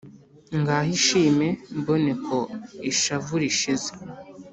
ngaho ishime mboneko ishavu rishize."